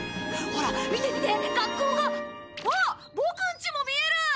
ほら見て見て学校があっボクんちも見える。